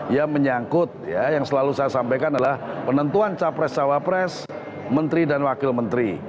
yang menyangkut ya yang selalu saya sampaikan adalah penentuan capres cawapres menteri dan wakil menteri